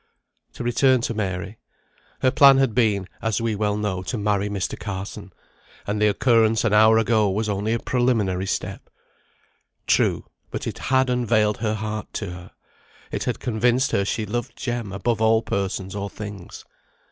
To return to Mary. Her plan had been, as we well know, to marry Mr. Carson, and the occurrence an hour ago was only a preliminary step. True; but it had unveiled her heart to her; it had convinced her she loved Jem above all persons or things.